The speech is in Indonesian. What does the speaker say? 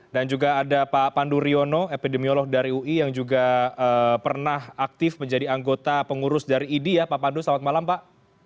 dan juga ada pak pandu riono epidemiolog dari ui yang juga pernah aktif menjadi anggota pengurus dari idi ya pak pandu selamat malam pak